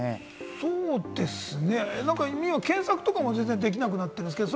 そうですね、検索とかもできなくなってるんですか？